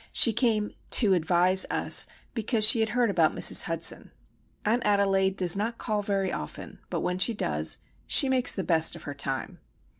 She came "to advise" us, because she had heard about Mrs. Hudson. Aunt Adelaide does not call very often; but when she does, she makes the best of her time.